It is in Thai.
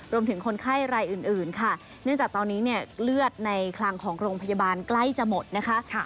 คนไข้รายอื่นค่ะเนื่องจากตอนนี้เนี่ยเลือดในคลังของโรงพยาบาลใกล้จะหมดนะคะ